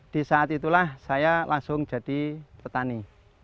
di saat itulah saya langsung jadi petani